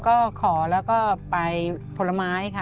ก็ขอแล้วก็ไปผลไม้ค่ะ